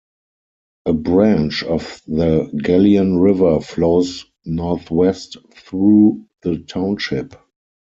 A branch of the Galien River flows northwest through the township.